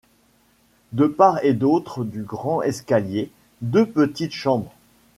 De part et d'autre du grand escalier, deux petites chambres.